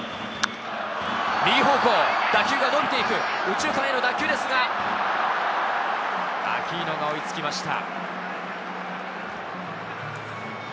右方向、打球が伸びていく、右中間への打球ですが、アキーノが追いつきました。